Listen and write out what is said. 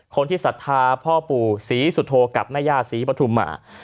ศรัทธาพ่อปู่ศรีสุโธกับแม่ย่าศรีปฐุมา